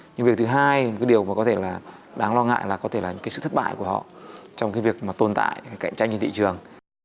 nhưng việc thứ hai điều đáng lo ngại là sự thất bại của họ trong việc tồn tại cạnh tranh trên thị trường